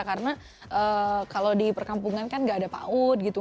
karena kalau di perkampungan kan gak ada paut gitu